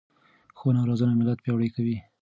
ښوونه او روزنه ملت پیاوړی کوي.